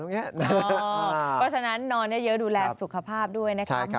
เพราะฉะนั้นนอนเยอะดูแลสุขภาพด้วยนะคะ